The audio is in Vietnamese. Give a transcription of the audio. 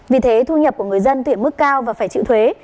vì thế thu nhập của người dân tuyển mức cao và phải trịu thuế